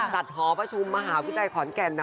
กัดท้อผ้าชมมาหาวิทยาลัยขอนแก่น